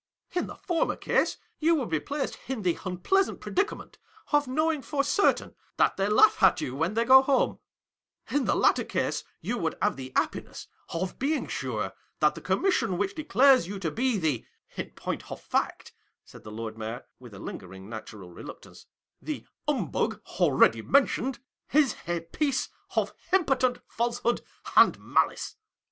In the former case, you would be placed in the unpleasant predicament of knowing for certain that they laugh at you when they go home ; in the latter case, you would have the happiness of being sure that the Commission which declares you to be the — iu point of fact," said the Lord Mayor, with a lingering natural reluctance, "the Humbug already mentioned — is a piece of impotent falsehood and malice.